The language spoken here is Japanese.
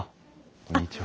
こんにちは。